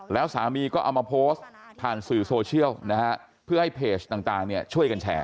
แล้วสามีก็เอามาโพสต์ผ่านสื่อโซเชียลนะฮะเพื่อให้เพจต่างช่วยกันแชร์